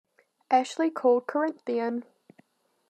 Ashley called Corinthian.